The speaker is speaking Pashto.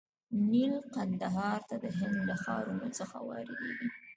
نیل کندهار ته د هند له ښارونو څخه واردیږي.